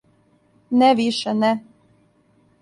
Не више, не.